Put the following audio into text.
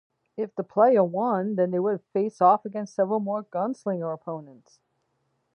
If the player won, then they would face off against several more gunslinger opponents.